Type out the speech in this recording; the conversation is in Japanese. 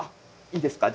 いいですか？